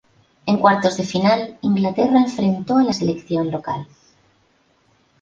En cuartos de final, Inglaterra enfrentó a la selección local.